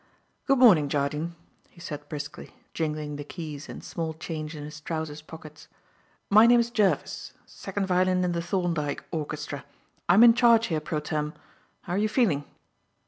"Good morning, Jardine," he said briskly, jingling the keys and small change in his trousers' pockets, "my name is Jervis. Second violin in the Thorndyke orchestra. I'm in charge here pro tem. How are you feeling?"